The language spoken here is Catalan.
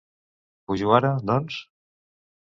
Pujo ara, doncs?